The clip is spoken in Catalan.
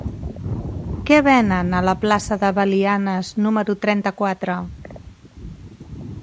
Què venen a la plaça de Belianes número trenta-quatre?